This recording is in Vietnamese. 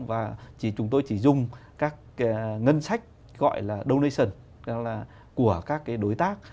và chúng tôi chỉ dùng các ngân sách gọi là donition của các cái đối tác